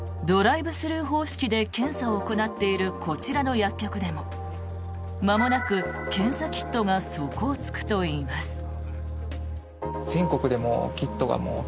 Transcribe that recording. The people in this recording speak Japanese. ドライブスルー方式で検査を行っているこちらの薬局でもまもなく検査キットが底を突くといいます。